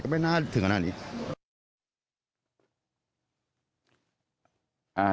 ก็ไม่น่าถึงข้างหน้านี้